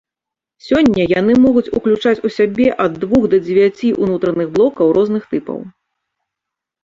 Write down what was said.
Сёння яны могуць ўключаць у сябе ад двух да дзевяці ўнутраных блокаў розных тыпаў.